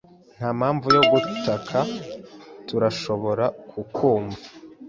Nta mpamvu yo gutaka. Turashobora kukumva.